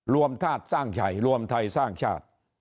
รวมธาตุสร้างชัยรวมไทยสร้างชาติ